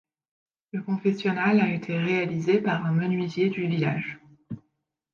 Le confessionnal a été réalisé par un menuisier du village.